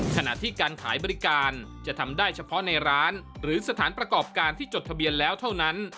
ขณะที่การขายบริการจะทำได้เฉพาะในร้านหรือสถานประกอบการที่จดทะเบียนแล้วเท่านั้น